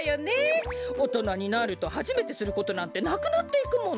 おとなになるとはじめてすることなんてなくなっていくもの。